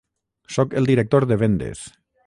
Soc el director de vendes.